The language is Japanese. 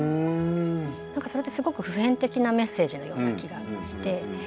それってすごく普遍的なメッセージのような気がして。